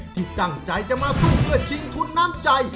ที่ตั้งใจจะมาสู้เพื่อชิงทุนน้ำใจ